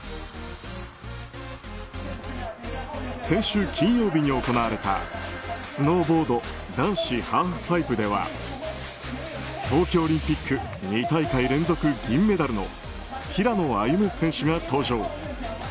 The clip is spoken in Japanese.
先週金曜日に行われたスノーボード男子ハーフパイプでは冬季オリンピック２大会連続銀メダルの平野歩夢選手が登場。